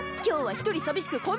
今日は１人寂しく